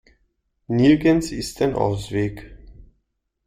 Nirgends ist ein Ausweg.